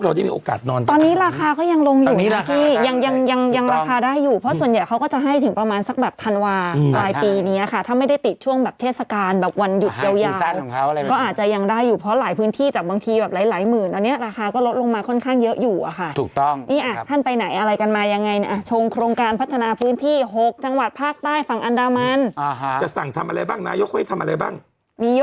โปรโมตการท่องเที่ยวโปรโมตการท่องเที่ยวโปรโมตการท่องเที่ยวโปรโมตการท่องเที่ยวโปรโมตการท่องเที่ยวโปรโมตการท่องเที่ยวโปรโมตการท่องเที่ยวโปรโมตการท่องเที่ยวโปรโมตการท่องเที่ยวโปรโมตการท่องเที่ยวโปรโมตการท่องเที่ยวโปรโมตการท่องเที่ยวโปรโมตการท่องเที่ยว